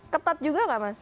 ketat juga nggak mas